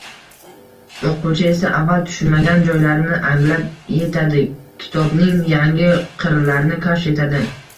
O‘quvchi esa avval tushunmagan joylarini anglab yetadi, kitobning yangi qirralarini kashf etadi.